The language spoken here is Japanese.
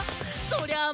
そりゃあ